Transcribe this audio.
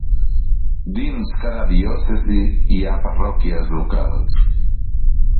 Dins cada diòcesi hi ha parròquies locals.